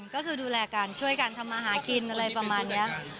ก็คือดูแลกันช่วยกันทำมาหากินอะไรประมาณนี้